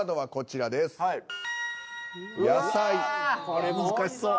これ難しそう。